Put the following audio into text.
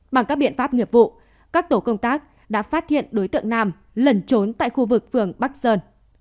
bằng các biện pháp nghiệp vụ các tổ công tác đã phát hiện đối tượng nam lẩn trốn tại khu vực phường bắc sơn